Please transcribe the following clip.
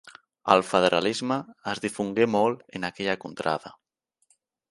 El federalisme es difongué molt en aquella contrada.